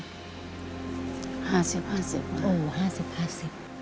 โอ้ห้าสิบห้าสิบ